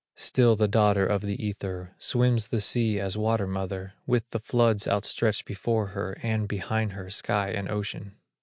Still the daughter of the Ether, Swims the sea as water mother, With the floods outstretched before her, And behind her sky and ocean.